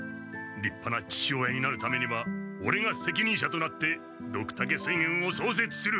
りっぱな父親になるためにはオレがせきにん者となってドクタケ水軍をそうせつする！